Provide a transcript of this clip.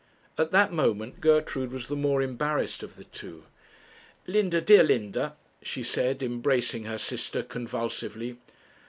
At that moment Gertrude was the more embarrassed of the two. 'Linda, dear Linda,' she said, embracing her sister convulsively.